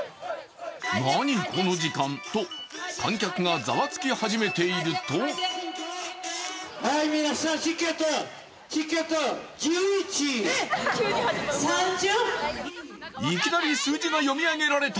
何この時間？と観客がざわつき始めているといきなり数字が読み上げられた！